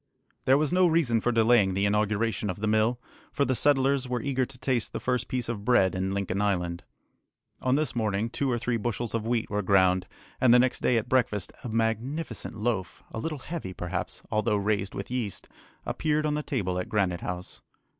There was no reason for delaying the inauguration of the mill, for the settlers were eager to taste the first piece of bread in Lincoln Island. On this morning two or three bushels of wheat were ground, and the next day at breakfast a magnificent loaf, a little heavy perhaps, although raised with yeast, appeared on the table at Granite House.